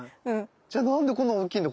じゃあ何でこんな大きいんだ？